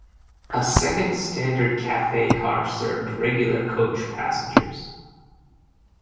A second standard cafe car served regular coach passengers.